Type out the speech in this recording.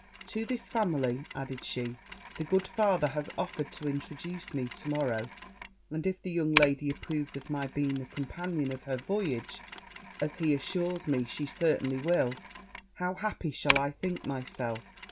'To this family,' added she, 'the good father has offered to introduce me to morrow; and if the young lady approves of my being the companion of her voyage, as he assures me she certainly will, how happy shall I think myself!'